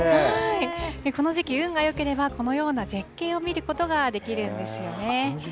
この時期、運がよければ、このような絶景を見ることができるんですよね。